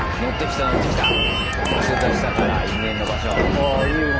通過したから因縁の場所。